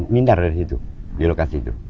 mindar dari situ di lokasi itu